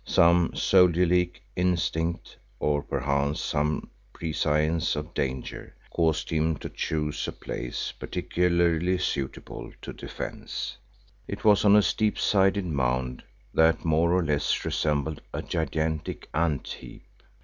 Some soldierlike instinct, or perchance some prescience of danger, caused him to choose a place particularly suitable to defence. It was on a steep sided mound that more or less resembled a gigantic ant heap.